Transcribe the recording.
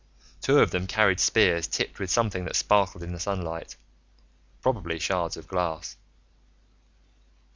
Two of them carried spears tipped with something that sparkled in the sunlight, probably shards of glass.